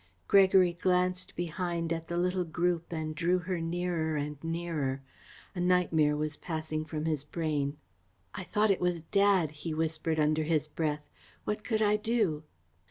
Gregory glanced behind at the little group and drew her nearer and nearer. A nightmare was passing from his brain. "I thought it was Dad," he whispered, under his breath. "What could I do?"